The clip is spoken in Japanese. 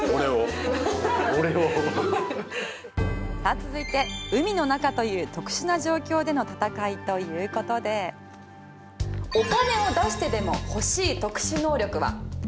続いて海の中という特殊な状況での戦いということでお金を出してでも欲しい特殊能力は。